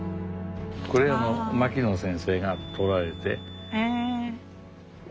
これは牧野先生が採られて。